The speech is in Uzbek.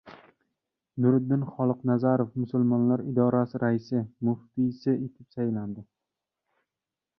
Nuriddin Xoliqnazarov Musulmonlar idorasi raisi, muftiy etib saylandi